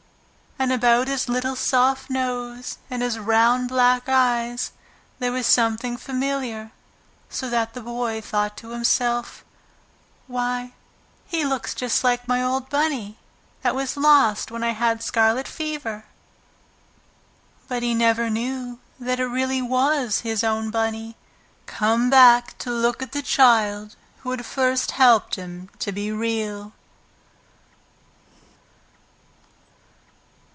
And about his little soft nose and his round black eyes there was something familiar, so that the Boy thought to himself: "Why, he looks just like my old Bunny that was lost when I had scarlet fever!" But he never knew that it really was his own Bunny, come back to look at the child who had first helped him to be Real.